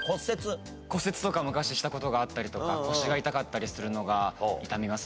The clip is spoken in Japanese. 骨折とか、昔したことがあったりとか、腰が痛かったりするのが痛みます